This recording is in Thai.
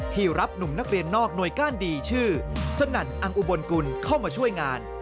รับหนุ่มนักเรียนนอกหน่วยก้านดีชื่อสนั่นอังอุบลกุลเข้ามาช่วยงาน